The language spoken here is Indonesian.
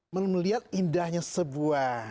melihat indahnya sebuah